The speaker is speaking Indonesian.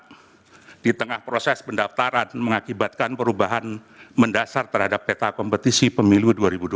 karena di tengah proses pendaftaran mengakibatkan perubahan mendasar terhadap peta kompetisi pemilu dua ribu dua puluh